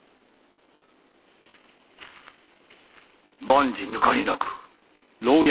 万事抜かりなく。